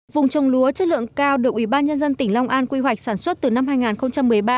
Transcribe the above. vùng trồng lúa chất lượng cao được ủy ban nhân dân tỉnh long an quy hoạch sản xuất từ năm hai nghìn một mươi ba